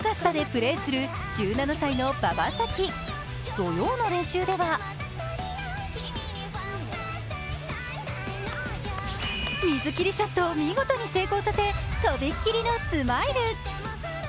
土曜の練習では水切りショットを見事に成功させとびっきりのスマイル。